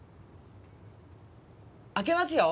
開けますよ